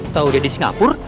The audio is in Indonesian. kau udah di singapur